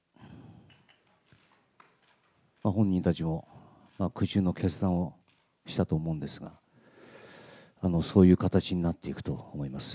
本人たちも苦渋の決断をしたと思うんですが、そういう形になっていくと思います。